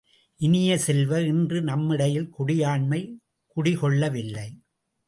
இனிய செல்வ, இன்று நம்மிடையில் குடியாண்மை குடிகொள்ளவில்லை!